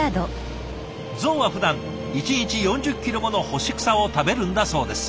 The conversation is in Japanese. ゾウはふだん一日４０キロもの干し草を食べるんだそうです。